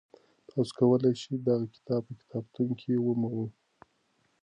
تاسو کولی شئ دغه کتاب په کتابتون کي ومومئ.